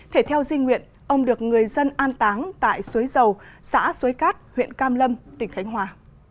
thể theo dinh nguyện ông được người dân an táng tại xuế dầu xã xuế cát huyện cam lâm tỉnh khánh hòa